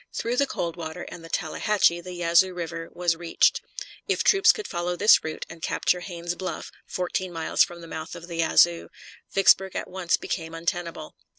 Through the Coldwater and the Tallahatchie the Yazoo River was reached. If troops could follow this route and capture Haynes's Bluff, fourteen miles from the mouth of the Yazoo, Vicksburg at once became untenable.